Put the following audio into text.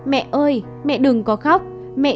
mẹ ơi mẹ đừng có khóc mẹ